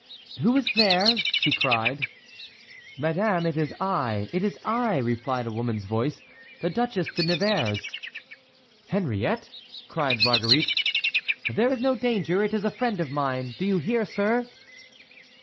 "Who is there?" she cried. "Madame, it is I—it is I," replied a woman's voice, "the Duchesse de Nevers." "Henriette!" cried Marguerite. "There is no danger; it is a friend of mine! Do you hear, sir?"